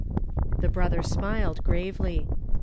Tlie brother smiled gravely.